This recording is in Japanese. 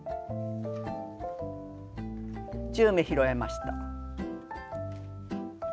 １０目拾えました。